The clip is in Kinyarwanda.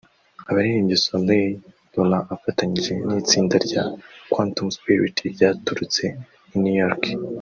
Abaririmbyi Soleil Laurent afatanyije n’itsinda rya Quantum Split ryaturutse i New York